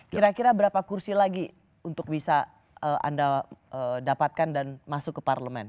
kira kira berapa kursi lagi untuk bisa anda dapatkan dan masuk ke parlemen